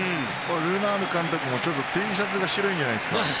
ルナール監督もＴシャツが白いんじゃないですか。